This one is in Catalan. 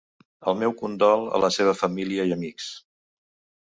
El meu condol a la seva família i amics.